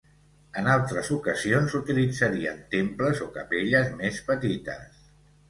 En altres ocasions s'utilitzarien temples o capelles més petites.